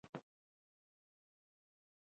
هر چا ته یې یو اخبار هم په لاس کې ورکړ.